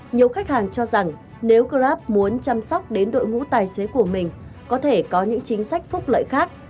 nhiều khách hàng cho rằng nếu grab muốn chăm sóc đến đội ngũ tài xế của mình có thể có những chính sách phúc lợi khác